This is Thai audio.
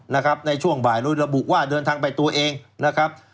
ในช่วงบ่ายโดยระบุว่าเดินทางไปตัวเองนะครับ